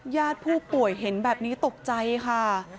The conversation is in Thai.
ญาติผู้ป่วยเห็นแบบนี้ตกใจค่ะ